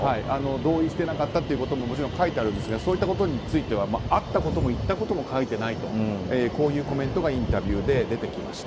同意していなかったということも書いてあるんですがそういったことについてはあったことも言ったことも書いてないとこういうコメントがインタビューで出てきました。